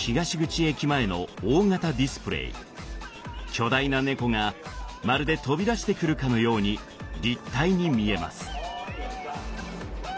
巨大な猫がまるで飛び出してくるかのように立体に見えます。